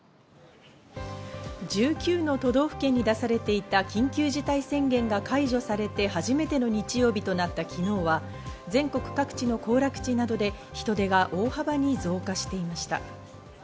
１９の都道府県に出されていた緊急事態宣言が解除されて初めての日曜日となった昨日は、全国各地の行楽地などで人出が大幅に増加していました。